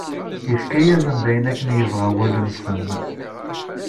Ifka-asen-d ayen akken yebɣa wul-nsen.